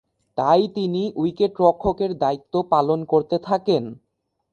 তাই তিনি উইকেট-রক্ষকের দায়িত্ব পালন করতে থাকেন।